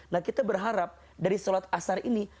nah kita berharap dari sholat asar ini